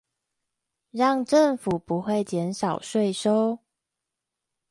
讓政府不會減少稅收